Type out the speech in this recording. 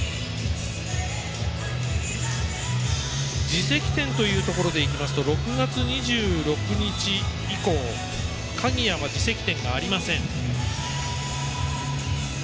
自責点というところでいいますと６月２１日以降鍵谷は自責点ありません。